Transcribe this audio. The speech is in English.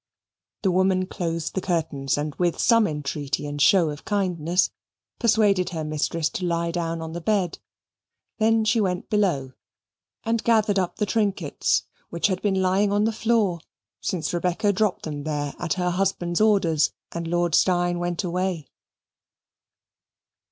The woman closed the curtains and, with some entreaty and show of kindness, persuaded her mistress to lie down on the bed. Then she went below and gathered up the trinkets which had been lying on the floor since Rebecca dropped them there at her husband's orders, and Lord Steyne went away.